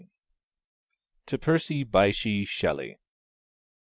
To Percy Bysshe Shelley.